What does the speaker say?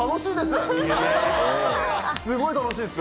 すごい楽しいです。